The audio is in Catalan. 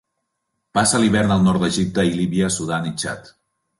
Passa l'hivern al nord d'Egipte i Líbia, Sudan i Txad.